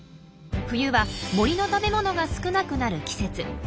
冬は森の食べ物が少なくなる季節。